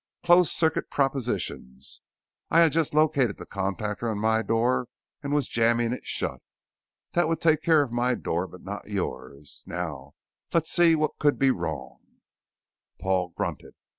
"Closed circuit propositions. I'd just located the contactor on my door and was jamming it shut. That would take care of my door but not yours. Now let's see what could be wrong " Paul grunted.